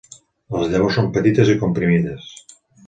Les llavors són petites i comprimides.